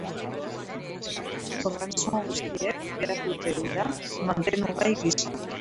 Organismo guztiek behar dute ura mantenugai gisa.